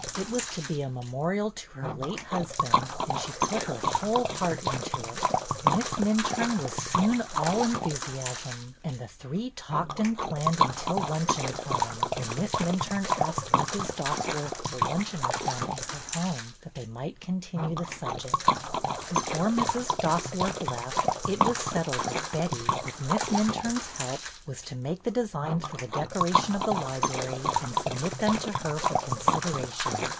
It was to be a memorial to her late husband, and she put her whole heart into it. Miss Minturne was soon all enthusiasm, and the three talked and planned until luncheon time, when Miss Minturne asked Mrs. Dosworth to luncheon with them in her home, that they might continue the subject. Before Mrs. Dosworth left, it was settled that Betty, with Miss Minturne's help, was to make the designs for the decoration of the library, and submit them to her for consideration.